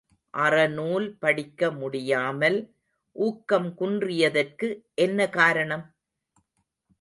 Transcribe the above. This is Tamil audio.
அறநூல் படிக்க முடியாமல் ஊக்கம் குன்றியதற்கு என்ன காரணம்?